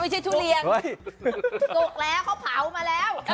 จบแล้วเขาเผามาแล้ว